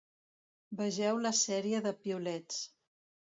Vegeu la sèrie de piulets.